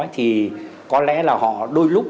thì có lẽ là họ đôi lúc